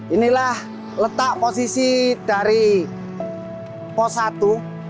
inilah letak posisi dari pos satu